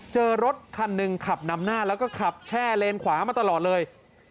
เจอรถคันหนึ่งขับนำหน้าแล้วก็ขับแช่เลนขวามาตลอดเลย